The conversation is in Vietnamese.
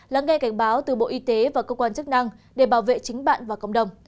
lắng nghe cảnh báo từ bộ y tế và cơ quan chức năng để bảo vệ chính bạn và cộng đồng